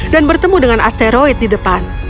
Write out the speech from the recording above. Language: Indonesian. dan bertemu dengan asteroid di depan